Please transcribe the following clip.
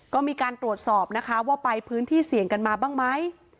ก็มีการตรวจสอบนะคะว่าไปพื้นที่เสี่ยงกันมาบ้างไหม